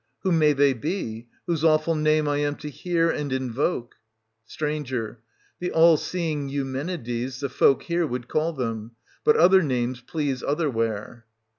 Who may they be, whose awful name I am to hear and invoke } St. The all seeing Eumenides the folk here would call them : but other names please otherwhere.